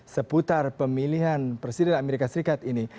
seputar pemilihan presiden amerika serikat ini